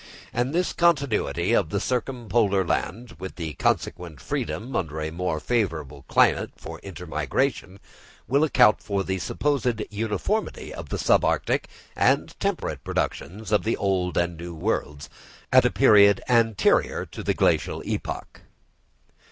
And this continuity of the circumpolar land, with the consequent freedom under a more favourable climate for intermigration, will account for the supposed uniformity of the sub arctic and temperate productions of the Old and New Worlds, at a period anterior to the Glacial epoch.